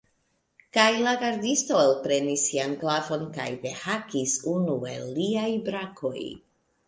Kaj la gardisto elprenis sian glavon kaj dehakis unu el liaj brakoj.